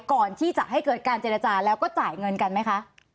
ก่อนที่จะให้เกิดการเจรจาแล้วก็จ่ายเงินกันไหมคะ